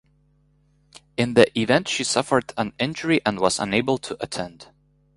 In the event she suffered an injury and was unable to attend.